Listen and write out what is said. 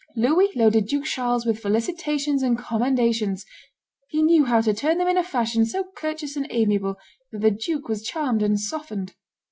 Louis loaded Duke Charles with felicitations and commendations: "He knew how to turn them in a fashion so courteous and amiable that the duke was charmed and softened."